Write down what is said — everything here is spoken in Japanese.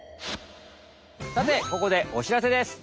さてここでお知らせです。